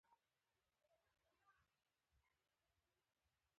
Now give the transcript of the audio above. احمد تل اسمان په ګوزو ولي.